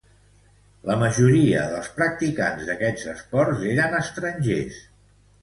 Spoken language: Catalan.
La majoria dels practicants d'estos esports eren estrangers.